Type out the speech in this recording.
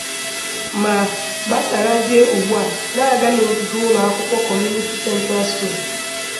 ma gbasàrazie ugbua na-aga n'ogige ụlọ akwụkwọ 'Community Central School